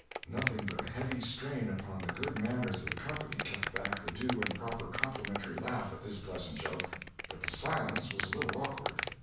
Nothing but a heavy strain upon the good manners of the company kept back the due and proper complimentary laugh at this pleasant joke. But the silence was a little awkward.